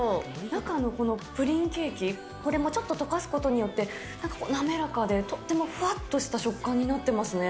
中のこのプリンケーキ、これもちょっと溶かすことによって、なんか滑らかでとってもふわっとした食感になってますね。